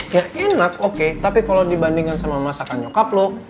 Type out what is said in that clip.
ya enak oke tapi kalo dibandingkan sama masakan nyokap lu